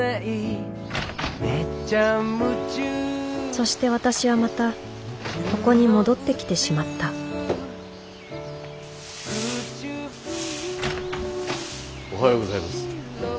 そして私はまたここに戻ってきてしまったおはようございます。